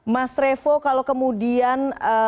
mas revo kalau kemudian